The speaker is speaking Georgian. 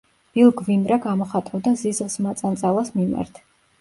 ბილ გვიმრა გამოხატავდა ზიზღს მაწანწალას მიმართ.